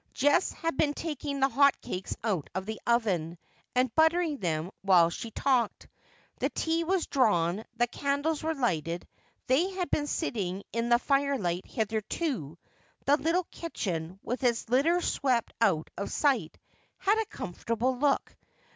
Jess had been taking the hot cakes out of the oven, and buttering them, while she talked. The tea was drawn, the candles were lighted — they had been sitting in the firelight hitherto — the little kitchen, with its litter swept out of sight, had a comfortable look.